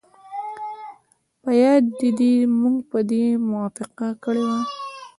په یاد دي موږ په دې موافقه کړې وه